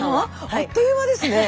あっという間ですねえ。